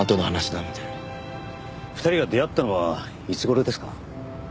２人が出会ったのはいつ頃ですか？